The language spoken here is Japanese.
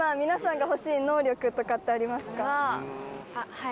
はい。